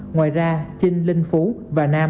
ngoài ra chinh linh phú và nam